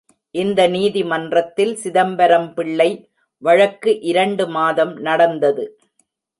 இந்த நீதிமன்றத்தில் சிதம்பரம்பிள்ளை வழக்கு இரண்டு மாதம் நடந்தது.